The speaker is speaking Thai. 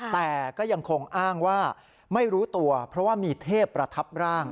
แต่ก็ยังคงอ้างว่าไม่รู้ตัวเพราะว่ามีเทพประทับร่าง